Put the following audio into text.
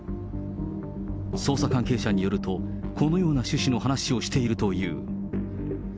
捜査関係者によると、このような趣旨の話をしているという。